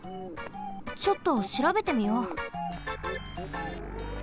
ちょっとしらべてみよう。